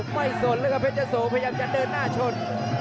ไม่สนแล้วกับเพชรเจ้าโสพยายามจะเดินหน้าชน